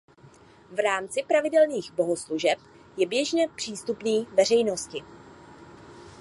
V rámci pravidelných bohoslužeb je běžně přístupný veřejnosti.